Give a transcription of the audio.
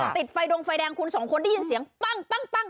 ติดไฟดงไฟแดงคุณสองคนได้ยินเสียงปั้ง